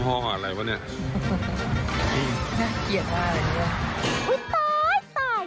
หู้ยตายตาย